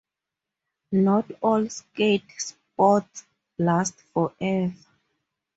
Not all skate spots last forever.